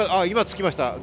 今、つきました。